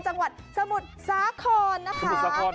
จังหวัดสมุทรสาครนะคะ